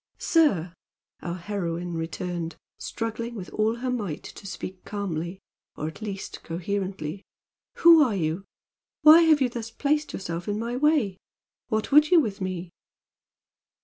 "Sir!" our heroine returned, struggling with all her might to speak calmly, or at least coherently "who are you? Why have you thus placed yourself in my way? What would you with me?"